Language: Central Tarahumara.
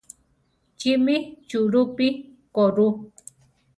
Chimi chulúpi koru?